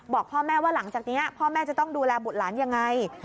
บอกพ่อแม่ว่าหลังจากนี้พ่อแม่จะต้องดูแลบุตรหลานยังไง